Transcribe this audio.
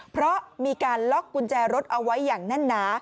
เพราะมีการล็อกกุญแจรถเอาไว้อย่างแน่นหนา